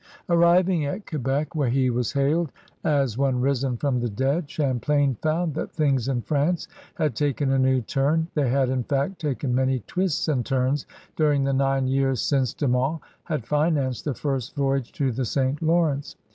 Arriving at Quebec, where he was hailed as 48 CRUSADEBS OF NEW FRANCE one risen from the dead, Champlain found that things in France had taken a new turn. They had» in fact, taken many twists and turns during the nine years since De Monts had financed the first voyage to the St. Lawrence.